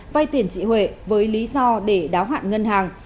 vay tiền chị huệ với lý do để đáo hạn ngân hàng